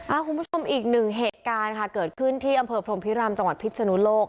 คุณผู้ชมอีกหนึ่งเหตุการณ์ค่ะเกิดขึ้นที่อำเภอพรมพิรามจังหวัดพิษนุโลก